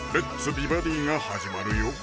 美バディ」が始まるよ